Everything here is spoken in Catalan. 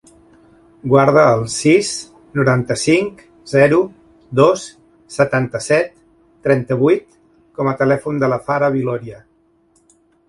Guarda el sis, noranta-cinc, zero, dos, setanta-set, trenta-vuit com a telèfon de la Farah Viloria.